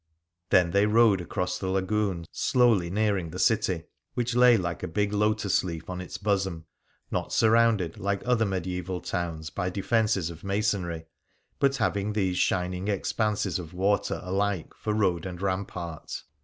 Then they rowed across the Lagoon, slowly nearing the city, which lay like a big lotus leaf on its bosom ; not surrounded, like other medieval towns, by defences of masonry, but having these shining expanses of water alike for road and rampart.